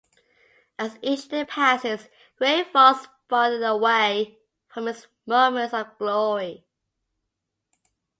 As each day passes, Grey falls farther away from his moments of glory.